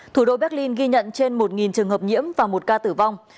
thủ đô berlin ghi nhận trên một trường hợp nhiễm và một ca tử vong